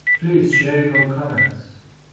Please share your comments.